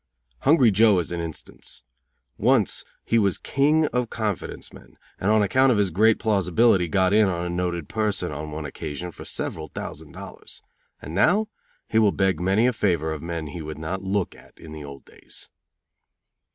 Hungry Joe is an instance. Once he was King of confidence men, and on account of his great plausibility got in on a noted person, on one occasion, for several thousand dollars. And now he will beg many a favor of men he would not look at in the old days.